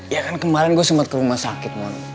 ya kan kemarin gue sempet ke rumah sakit man